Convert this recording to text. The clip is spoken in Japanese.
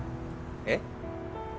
えっ？